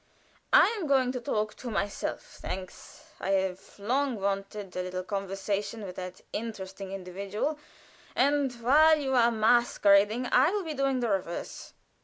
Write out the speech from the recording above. "I am going to talk to myself, thanks. I have long wanted a little conversation with that interesting individual, and while you are masquerading, I will be doing the reverse.